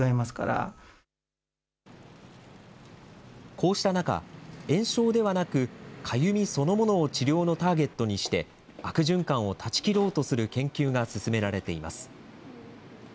こうした中、炎症ではなく、かゆみそのものを治療のターゲットにして、悪循環を断ち切ろうとする研究が進められています。